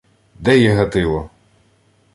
— Де є Гатило?